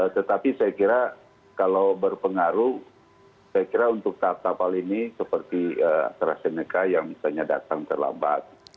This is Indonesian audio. tetapi saya kira kalau berpengaruh saya kira untuk kapal kapal ini seperti astrazeneca yang misalnya datang terlambat